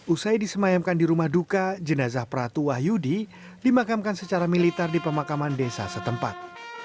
usai disemayamkan di rumah duka jenazah pratu wahyudi dimakamkan secara militer di pemakaman desa setempat